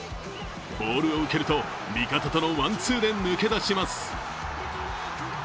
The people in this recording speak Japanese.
ボールを受けると、味方とのワン・ツーで抜け出します。